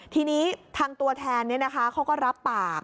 ทีนี้ทางตัวแทนเขาก็รับปาก